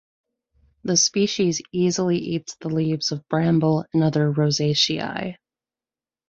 The species easily eats the leaves of bramble and other Rosaceae.